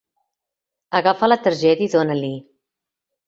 Agafa la targeta i dona-li.